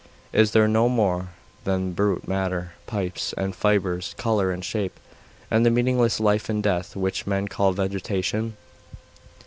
Is there no more there than brute matter, pipes and fibres, colour and shape, and the meaningless life in death which men call vegetation?